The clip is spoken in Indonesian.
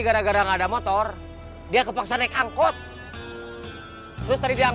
kalau akan gak punya uang